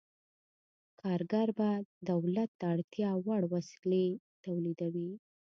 کارګر به دولت ته اړتیا وړ وسلې تولیدوي.